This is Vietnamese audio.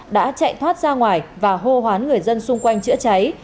đã chạy thoát ra ngoài và hô hoán người dân xung quanh chữa cháy